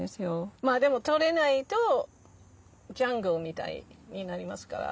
まあでも取らないとジャングルみたいになりますから。